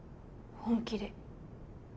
本気で？